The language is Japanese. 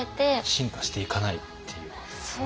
進化していかないっていうことですね。